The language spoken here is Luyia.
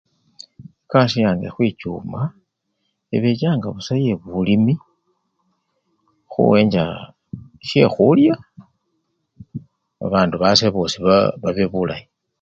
Ekasii yange khwichuma, ebechanga busa yebulimi khuyenja sekhulya babandu base bosii baa! babe bulayi.